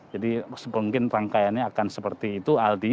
jadi mungkin rangkaiannya akan seperti itu aldi